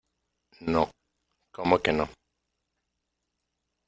no .¿ como que no ?